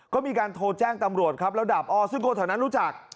ก็มีการโทรแจ้งทำรวจและดาบอ้อซึ่งกวแล้วเท่านั้นรู้จัก